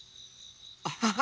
アハハ。